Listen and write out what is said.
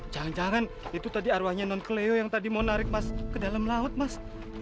jangan jangan itu tadi arwahnya non keleo yang tadi mau narik mas ke dalam laut mas